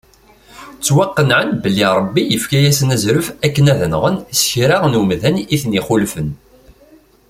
Ttwaqenɛen belli Ṛebbi yefka-asen azref akken ad nɣen sekra n umdan iten-ixulfen.